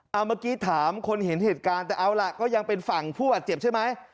เอาเมื่อกี้ถามคนเห็นเหตุการณ์แต่เอาล่ะก็ยังเป็นฝั่งผู้บาดเจ็บใช่ไหม